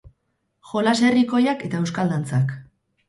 Jolas herrikoiak eta euskal dantzak.